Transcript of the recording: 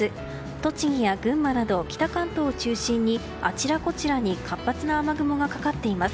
栃木や群馬など北関東を中心にあちらこちらに活発な雨雲がかかっています。